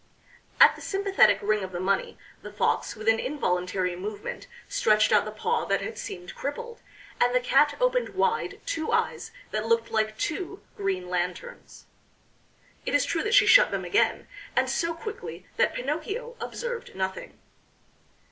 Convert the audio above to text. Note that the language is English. At the sympathetic ring of the money the Fox with an involuntary movement stretched out the paw that had seemed crippled, and the cat opened wide two eyes that looked like two green lanterns. It is true that she shut them again, and so quickly that Pinocchio observed nothing.